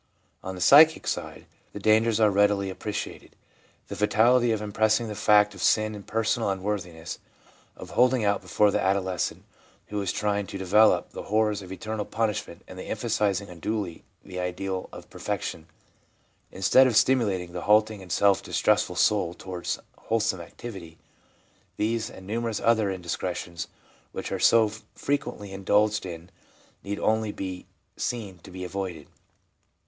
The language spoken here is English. On the psychic side, the dangers are readily appreciated. The fatality of impressing the fact of sin and personal unworthiness, of holding out before the adolescent, who is trying to develop, the horrors of eternal punishment, and of emphasising unduly the ideal of perfection, instead of stimulating the halting and self distrustful soul towards wholesome activity — these and numerous other indiscretions which are so frequently indulged in need only be seen to be avoided.